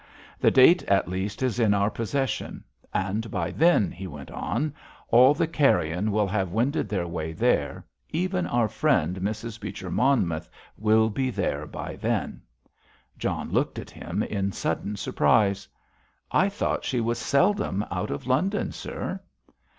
The date at least is in our possession. And by then," he went on, "all the carrion will have wended their way there, even our friend, Mrs. Beecher Monmouth, will be there by then." John looked at him in sudden surprise. "I thought she was seldom out of London, sir."